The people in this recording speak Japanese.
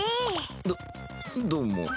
どどうも。